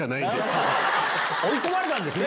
追い込まれたんですね！